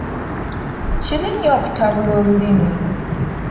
Kibi nnyo okutabula olulimi.